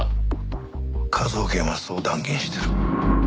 科捜研はそう断言してる。